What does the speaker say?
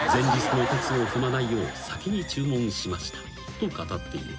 ［こう語っている］